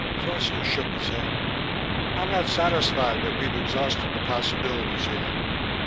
Foster shook his head. "I'm not satisfied that we've exhausted the possibilities here.